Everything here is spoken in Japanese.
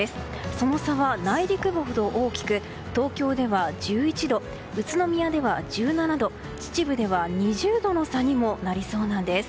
その差は内陸部ほど大きく東京では１１度宇都宮では１７度秩父では２０度の差にもなりそうなんです。